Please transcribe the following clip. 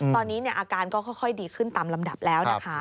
ตอนนี้อาการก็ค่อยดีขึ้นตามลำดับแล้วนะคะ